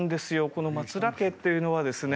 この松浦家っていうのはですね